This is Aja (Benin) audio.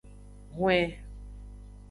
Hwen.